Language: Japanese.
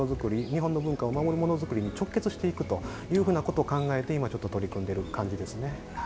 日本の文化を守るものづくりに直結していくということを考えて今、取り組んでいる感じですね。